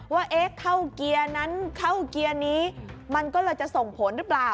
ว่าเข้าเกียร์นั้นเข้าเกียร์นี้มันก็เลยจะส่งผลหรือเปล่า